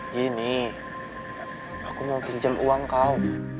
gini aku mau pinjam uang kau